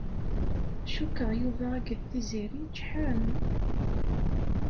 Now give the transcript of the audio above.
Cukkeɣ Yuba akked Tiziri ččḥen.